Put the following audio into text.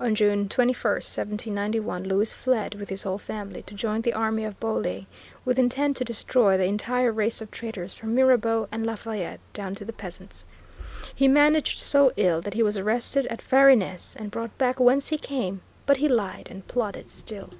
On June 21, 1791, Louis fled, with his whole family, to join the army of Bouillé, with intent to destroy the entire race of traitors from Mirabeau and Lafayette down to the peasants. He managed so ill that he was arrested at Varennes, and brought back whence he came, but he lied and plotted still.